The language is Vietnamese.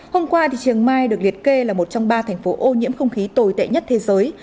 hôm qua triều mai được liệt kê là một trong ba thành phố ô nhiễm không khí tồi tệ nhất thế giới